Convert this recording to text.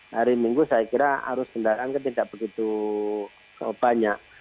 hari minggu saya kira arus kendaraan kan tidak begitu banyak